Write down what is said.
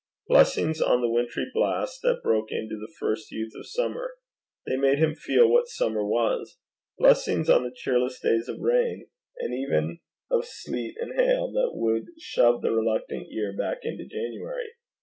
Blessings on the wintry blasts that broke into the first youth of Summer! They made him feel what summer was! Blessings on the cheerless days of rain, and even of sleet and hail, that would shove the reluctant year back into January.